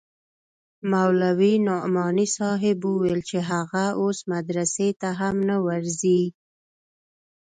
مولوي نعماني صاحب وويل چې هغه اوس مدرسې ته هم نه ورځي.